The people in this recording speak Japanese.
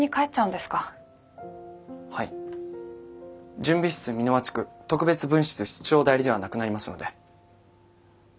準備室美ノ和地区特別分室室長代理ではなくなりますので。